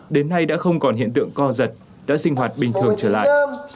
đến nay đã không còn hiện tượng co giật đã sinh hoạt bình thường trở lại